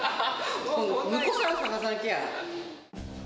むこさん、探さなきゃ。